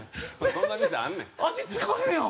そんな店あんねん。